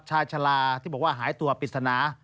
ชายชาลาที่บอกว่าหายตัวปิดสนา